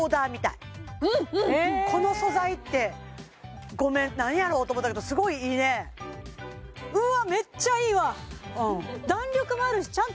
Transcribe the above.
この素材ってごめん何やろうって思ったけどすごいいいねうわ！